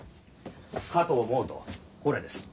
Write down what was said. かと思うとこれです。